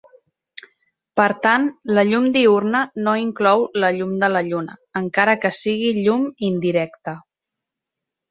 Per tant, la llum diürna no inclou la llum de la lluna, encara que sigui llum indirecta.